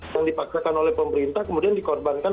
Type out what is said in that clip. yang dipaksakan oleh pemerintah kemudian dikorbankan